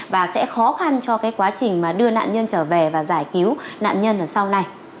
và sẽ khó khăn cho cái quá trình mà đưa nạn nhân trở về và giải cứu nạn nhân ở sau này